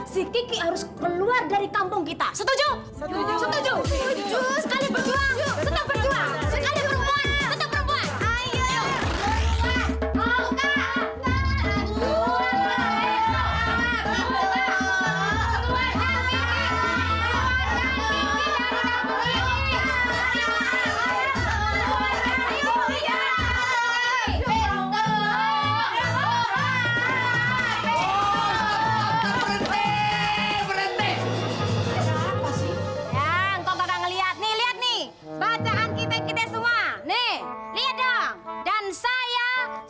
si kiki ada di dalam ya